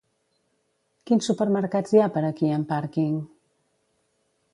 Quins supermercats hi ha per aquí amb pàrquing?